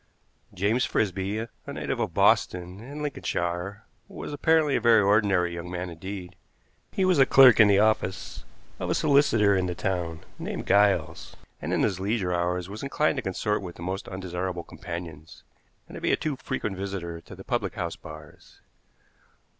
James Frisby, a native of Boston, in Lincolnshire, was apparently a very ordinary young man indeed. He was a clerk in the office of a solicitor in the town, named Giles, and in his leisure hours was inclined to consort with the most undesirable companions, and to be a too frequent visitor to the public house bars.